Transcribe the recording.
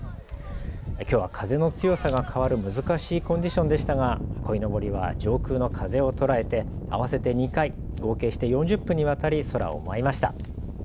きょうは風の強さが変わる難しいコンディションでしたがこいのぼりは上空の風を捉えて合わせて２回、合計して４０分にわたり空を舞いました。